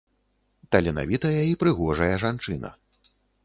Таленавітая і прыгожая жанчына.